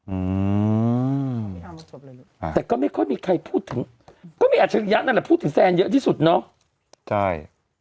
อืมแต่ก็ไม่ค่อยมีใครพูดถึงก็มีอัจฉริยะนั่นแหละพูดถึงแซนเยอะที่สุดเนาะ